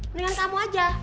mendingan kamu aja